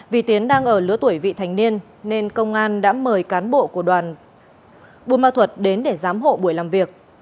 vì tiến đang ở lứa tuổi vị thành niên nên công an đã mời cán bộ của đoàn buôn ma thuật đến để giám hộ buổi làm việc